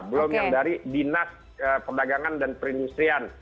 belum yang dari dinas perdagangan dan perindustrian